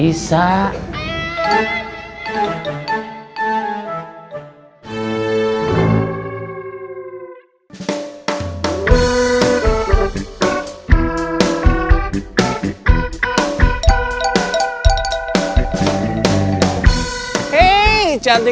hei cantiknya kak ngaceng